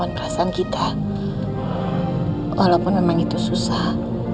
adil curang banget sih